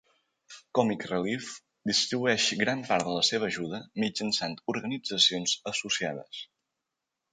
Comic Relief distribueix gran part de la seva ajuda mitjançant organitzacions associades.